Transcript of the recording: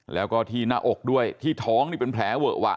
แล้วก็ที่หน้าอกด้วยที่ท้องนี่เป็นแผลเวอะวะ